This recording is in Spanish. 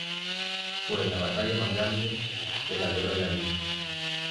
Fue la batalla más grande de la Guerra del Anillo.